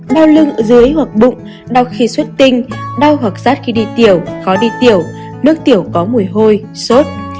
đau lưng ở dưới hoặc bụng đau khi suất tinh đau hoặc rát khi đi tiểu khó đi tiểu nước tiểu có mùi hôi sốt